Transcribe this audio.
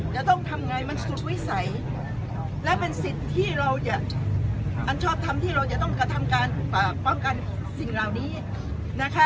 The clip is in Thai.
จะต้องทำไงมันสุดวิสัยและเป็นสิทธิ์ที่เราจะอันชอบทำที่เราจะต้องกระทำการป้องกันสิ่งเหล่านี้นะคะ